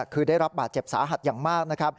คือได้รับบาดเจ็บสาหัสอย่างมาก